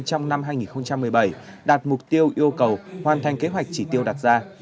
trong năm hai nghìn một mươi bảy đạt mục tiêu yêu cầu hoàn thành kế hoạch chỉ tiêu đặt ra